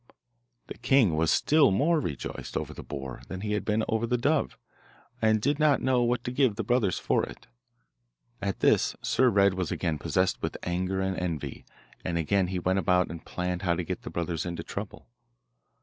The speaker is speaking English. The king was still more rejoiced over the boar than he had been over the dove, and did not know what to give the brothers for it. At this Sir Red was again possessed with anger and envy, and again he went about and planned how to get the brothers into trouble.